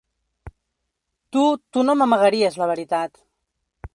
Tu, tu no m'amagaries la veritat.